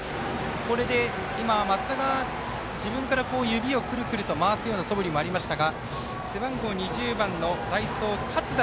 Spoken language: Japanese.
これで今、松田が自分から指をくるくると回すそぶりもありましたが背番号２０番の代走勝田